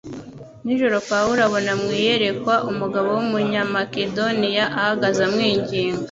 nijoro Pawulo abona mu iyerekwa umugabo w Umunyamakedoniya ahagaze amwinginga